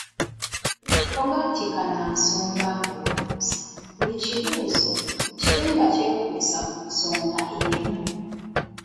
Togakkikana nsonga ng’obuuza, buli kibuuzo kibe nga kyekuusa ku nsonga emu.